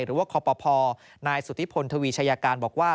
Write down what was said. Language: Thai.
หรือว่าคอปภนายสุธิพลทวีชายการบอกว่า